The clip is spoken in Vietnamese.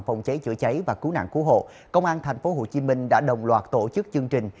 phòng cháy chữa cháy và cứu nạn cứu hộ công an tp hồ chí minh đã đồng loạt tổ chức chương trình